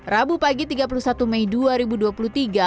rabu pagi tiga puluh satu mei dua ribu dua puluh tiga